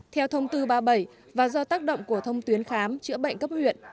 theo thông tư ba mươi bảy và do tác động của thông tuyến khám chữa bệnh cấp huyện